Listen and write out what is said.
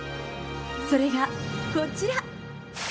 それがこちら。